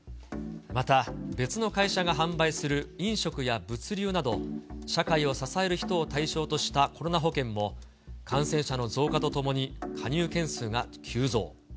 また、別の会社が販売する飲食や物流など、社会を支える人を対象としたコロナ保険も、感染者の増加とともに加入件数が急増。